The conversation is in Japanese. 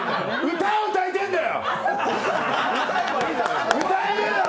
歌いてぇんだよ！